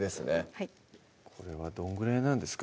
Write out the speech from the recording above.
はいこれはどんぐらいなんですか？